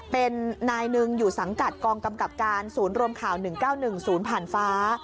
เป็นนายหนึ่งอยู่สังกัดกองกำกับการศูนย์รวมข่าว๑๙๑๐ผ่านฟ้า